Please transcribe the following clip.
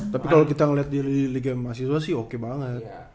tapi kalo kita liat dia di liga mahasiswa sih oke banget